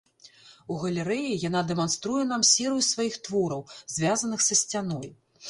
У галерэі яна дэманструе нам серыю сваіх твораў, звязаных са сцяной.